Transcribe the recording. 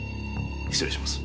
失礼します。